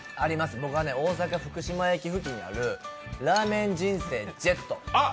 僕は大阪・福島駅付近にあるラーメン人生ＪＥＴ。